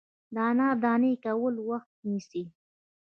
د انار دانې کول وخت نیسي.